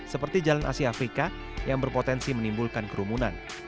seperti jalan asia afrika yang berpotensi menimbulkan kerumunan